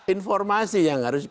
informasi yang harus